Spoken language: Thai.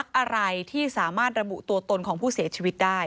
อะไรที่สามารถระบุตัวตนของผู้เสียชีวิตได้